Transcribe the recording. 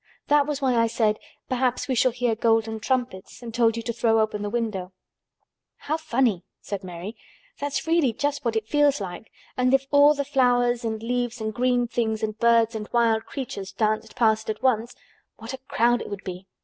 That was why I said, 'Perhaps we shall hear golden trumpets' and told you to throw open the window." "How funny!" said Mary. "That's really just what it feels like. And if all the flowers and leaves and green things and birds and wild creatures danced past at once, what a crowd it would be!